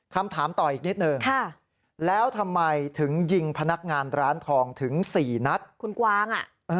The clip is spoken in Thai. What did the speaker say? คำถามต่ออีกนิดหนึ่งแล้วทำไมถึงยิงพนักงานร้านทองถึงสี่นัดคุณกวางอ่ะ